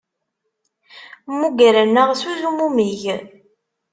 Mmugren-aɣ s uzmumeg.